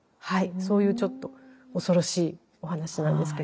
そういうちょっと恐ろしいお話なんですけれども。